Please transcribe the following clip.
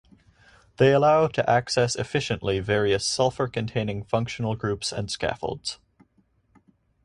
They allow to access efficiently various sulfur containing functional groups and scaffolds.